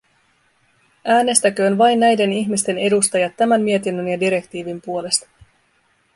Äänestäköön vain näiden ihmisten edustajat tämän mietinnön ja direktiivin puolesta!